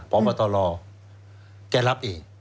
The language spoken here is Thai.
พบตรแกรับเอง